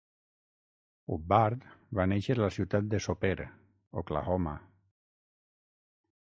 Hubbard va néixer a la ciutat de Soper, Oklahoma.